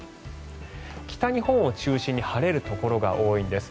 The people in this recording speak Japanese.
北日本を中心に晴れるところが多いんです。